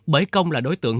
bởi công là đối tượng